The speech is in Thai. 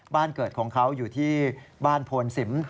บ้านเกิดของเขาอยู่ที่บ้านโพนสิม